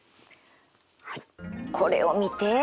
はいこれを見て。